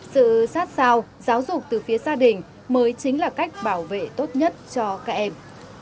sự sát sao giáo dục từ phía gia đình mới chính là cách bảo vệ tốt nhất cho các em